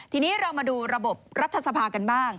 ทีนี้เรามาดูระบบรัฐสภากันบ้าง